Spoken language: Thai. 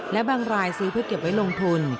และบางรายซื้อเพื่อเก็บไว้ลงทุน